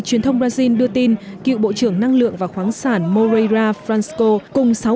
truyền thông brazil đưa tin cựu bộ trưởng năng lượng và khoáng sản moreira fransco cùng sáu